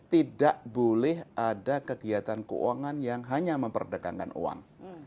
tidak boleh ada kegiatan keuangan yang hanya memperdekatkan uang